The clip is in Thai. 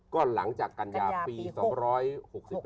ก็หลังจากกัญญาปี๒๖๐เป็นต้นไป